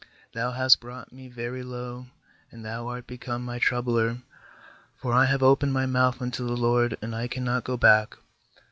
thou hast brought me very low, and thou art become my troubler; for I have opened my mouth unto the LORD, and I cannot go back.'